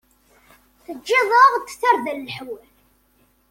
Teǧǧiḍ-aɣ-d tarda leḥwal.